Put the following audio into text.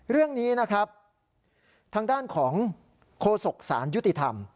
เรื่องนี้นะครับทางด้านของโฆษกศาลยุติธรรม